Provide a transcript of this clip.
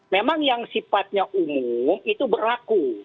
memang yang sifatnya umum itu berlaku